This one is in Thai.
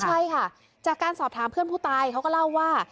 ใช่ค่ะจากการสอบถามเพื่อนผู้ตายเขาก็เล่าว่า